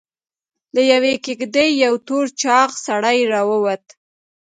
له يوې کېږدۍ يو تور چاغ سړی راووت.